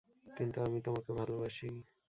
কিন্তু আমি তোমাকে ভালবাসি।